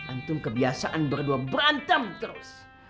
antum kebiasaan berdua berantem terus